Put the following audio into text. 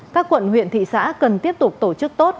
các quận huyện thị xã cần tiếp tục tổ chức tốt